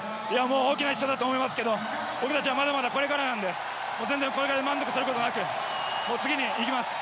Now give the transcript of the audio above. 大きな１勝だと思いますけど僕たちはこれからなのでこれからも満足することなく次に行きます！